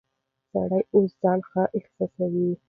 سړی اوس ځان ښه احساسوي.